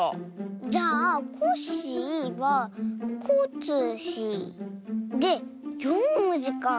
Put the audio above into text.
じゃあ「コッシー」は「コ」「ッ」「シ」「ー」で４もじかあ。